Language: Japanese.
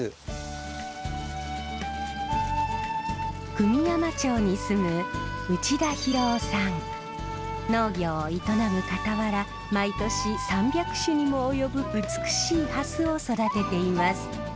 久御山町に住む農業を営むかたわら毎年３００種にも及ぶ美しいハスを育てています。